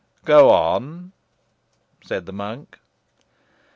"Go on," said the monk.